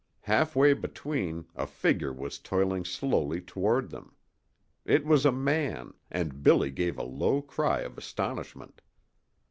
Halfway between a figure was toiling slowly toward them. It was a man, and Billy gave a low cry of astonishment.